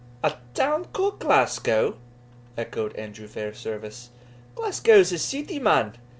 "A town ca'd Glasgow!" echoed Andrew Fairservice. "Glasgow's a ceety, man.